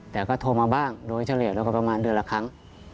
แต่ก็โทรมาบ้างโดยเฉลี่ยแล้วก็ประมาณเดือนละครั้ง